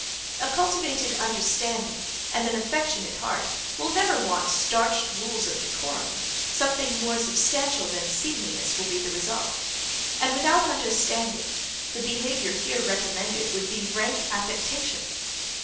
A cultivated understanding, and an affectionate heart, will never want starched rules of decorum, something more substantial than seemliness will be the result; and, without understanding, the behaviour here recommended, would be rank affectation.